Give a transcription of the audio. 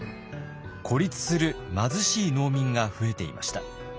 孤立する貧しい農民が増えていました。